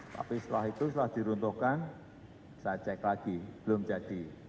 tapi setelah itu setelah diruntuhkan saya cek lagi belum jadi